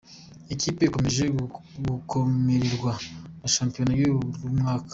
Ikipe ikomeje gukomererwa na shampiyona y’uyu mwaka